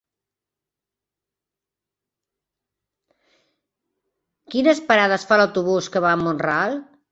Quines parades fa l'autobús que va a Mont-ral?